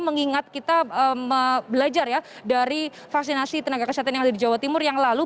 mengingat kita belajar ya dari vaksinasi tenaga kesehatan yang ada di jawa timur yang lalu